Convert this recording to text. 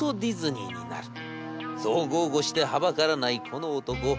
「そう豪語してはばからないこの男。